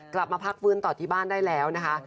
กลับมาพักฟื้นต่อที่บ้านได้แล้วนะคะ